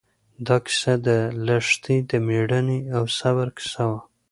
دا کیسه د لښتې د مېړانې او صبر کیسه وه.